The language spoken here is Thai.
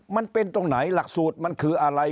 มันเป็นตรงไหนหลักสูตรมันคืออะไร